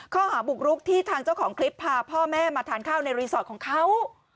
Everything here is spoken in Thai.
ข้อหาบุกรุกที่ทางเจ้าของคลิปพาพ่อแม่มาทานข้าวในรีสอร์ทของเขา